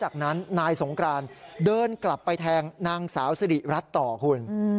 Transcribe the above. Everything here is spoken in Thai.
เกินกลับไปแทงนางสาวสิริรัตน์ต่อคุณ